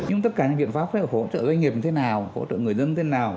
nhưng tất cả những biện pháp sẽ hỗ trợ doanh nghiệp như thế nào hỗ trợ người dân thế nào